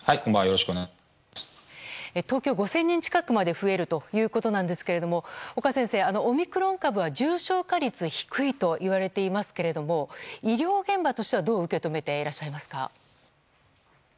東京５０００人近くまで増えるということなんですが岡先生、オミクロン株は重症化率が低いといわれていますけども医療現場としてはどう受け止めていらっしゃいますか。